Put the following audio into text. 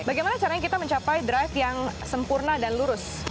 bagaimana caranya kita mencapai drive yang sempurna dan lurus